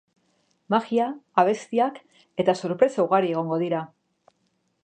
Magia, abestiak eta sorpresa ugari egongo dira.